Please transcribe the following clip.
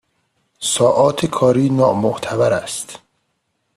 ساعات کاری نامعتبر است